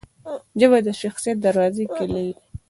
ژبه د شخصیت دروازې کلۍ ده